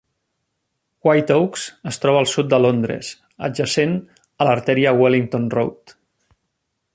White Oaks es troba al sud de Londres, adjacent a l'artèria Wellington Road.